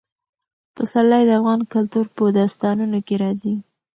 پسرلی د افغان کلتور په داستانونو کې راځي.